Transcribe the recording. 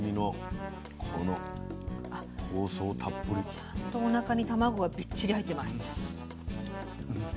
ちゃんとおなかに卵がびっちり入ってます。